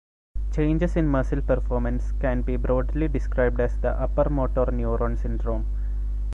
Changes in muscle performance can be broadly described as the upper motor neuron syndrome.